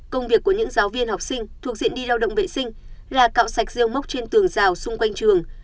công việc của những giáo viên học sinh thuộc diện đi lao động vệ sinh là cạo sạch rêu mốc trên tường rào xung quanh trường